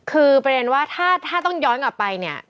คือประเด็นว่าถ้าต้องย้อนกลับไปเนี่ย